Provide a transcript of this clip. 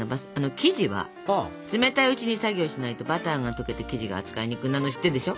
生地は冷たいうちに作業しないとバターが溶けて生地が扱いにくくなるの知ってるでしょ？